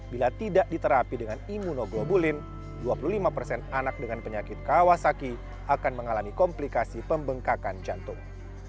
bila tidak diterapi dengan imunoglobulin dua puluh lima persen anak dengan penyakit kawasaki akan mengalami komplikasi pembengkakan jantung